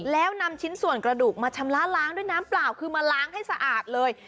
แล้วนำชิ้นส่วนกระดูกมาชำระล้างด้วยน้ำเปล่าคือมาล้างให้สะอาดเลย